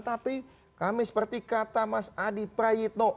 tapi kami seperti kata mas adi prayitno